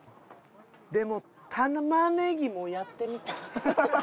でもたまねぎもやってみてね！！」。